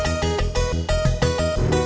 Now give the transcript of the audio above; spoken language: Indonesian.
gak usah bayar